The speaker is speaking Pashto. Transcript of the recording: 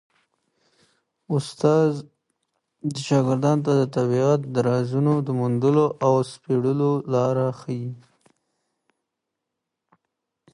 استاد شاګرد ته د طبیعت د رازونو د موندلو او سپړلو لاره ښيي.